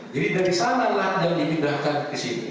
jadi dari sanalah yang dipindahkan ke sini